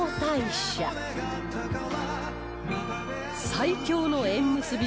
最強の縁結び